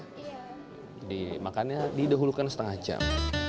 jadi makannya didahulukan setengah jam